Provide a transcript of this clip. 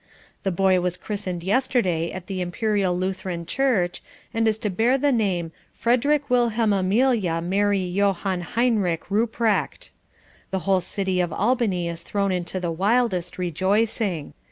The boy was christened yesterday at the (Imperial) Lutheran Church and is to bear the name Frederick Wilhelm Amelia Mary Johan Heinrich Ruprecht. The whole city of Albany is thrown into the wildest rejoicing.